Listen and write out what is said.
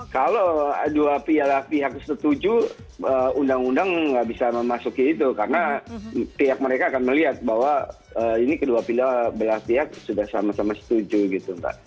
kalau dua pihak setuju undang undang nggak bisa memasuki itu karena pihak mereka akan melihat bahwa ini kedua belah pihak sudah sama sama setuju gitu mbak